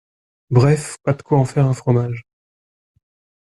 Bref, pas de quoi en faire un fromage.